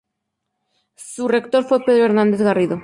Su rector fue Pedro Hernández Garrido.